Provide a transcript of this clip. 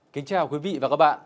kính chào quý vị và các bạn